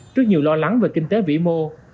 trước nhiều lo lắng về kinh tế vĩ mô